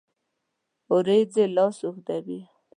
اوریځې لاس اوږدوي